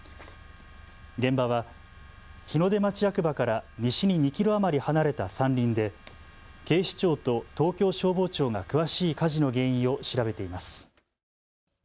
現場は日の出町役場から西に２キロ余り離れた山林で警視庁と東京消防庁が詳しい火事の原因を調べています。